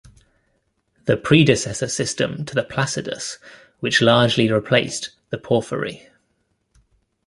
The predecessor system to the Placidus, which largely replaced the Porphyry.